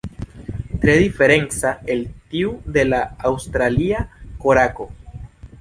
Tre diferenca el tiu de la Aŭstralia korako.